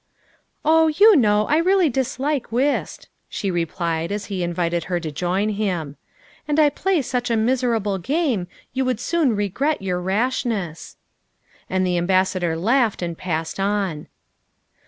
" Oh, you know, I really dislike whist," she replied as he invited her to join him, " and I play such a miser able game you would soon regret your rashness. '' And the Ambassador laughed and passed on.